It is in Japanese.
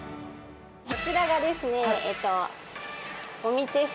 こちらがですね